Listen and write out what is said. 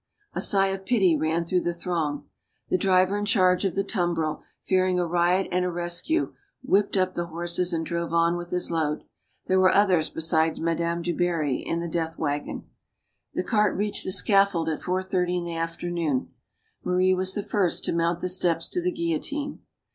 A sigh of pity ran through the throng. The driver in carge of the tumbril, fear ing a riot and a rescue, whipped up the horses and drove on with his load. There were others besides Madame du Barry in the death wagon. The cart reached the scaffold at four thirty in the afternoon. Marie was the first to mount the steps to the guillotine.